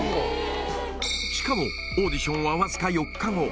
しかも、オーディションは僅か４日後。